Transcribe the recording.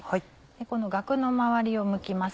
このガクの周りをむきます。